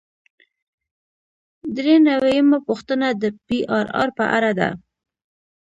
درې نوي یمه پوښتنه د پی آر آر په اړه ده.